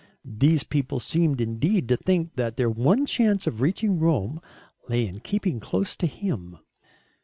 These people seemed, indeed, to think that their one chance of reaching Rome lay in keeping close to him.